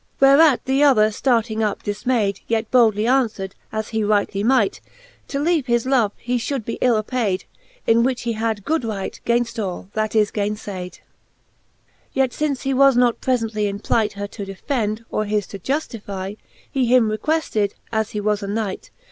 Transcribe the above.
Whereat the other ftarting up difmayd, Yet boldly anfwer'd, as he rightly mighty To leave his love he fhould be ill apayd. In which he had good right gaynft all that it gainefayd. XIX. Yet fince he was not prefently in plight Her to defend, or his to juftifie, He him reqnefted, as he was a knight.